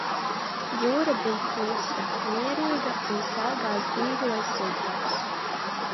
Jūra bij klusa, mierīga un selgā zvīguļoja sudrabs.